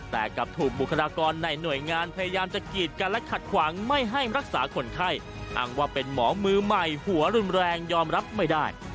แต่กลับถูกบุคลากรในหน่วยงานพยายามจะกีดกันและขัดขวางไม่ให้รักษาคนไข้อ้างว่าเป็นหมอมือใหม่หัวรุนแรงยอมรับไม่ได้